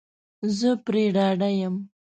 زه پری ډاډه یم